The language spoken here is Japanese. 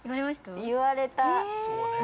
◆言われた。